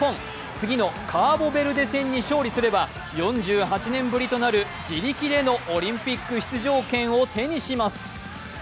次のカーボベルデ戦に勝利すれば４８年ぶりとなる自力でのオリンピック出場権を手にします。